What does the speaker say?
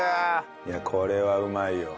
いやこれはうまいよ。